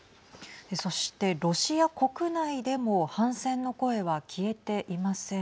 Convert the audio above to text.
そしてロシア国内でも反戦の声は消えていません。